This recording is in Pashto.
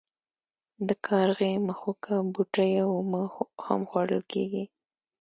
د کارغي مښوکه بوټی اومه هم خوړل کیږي.